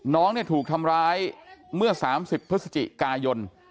น้องเนี่ยถูกทำร้ายเมื่อ๓๐พฤศจิกายน